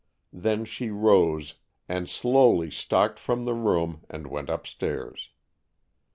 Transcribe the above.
Then she rose, and slowly stalked from the room and went upstairs.